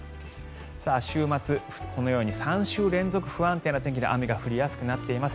週末、このように３週連続不安定な天気で雨が降りやすくなっています。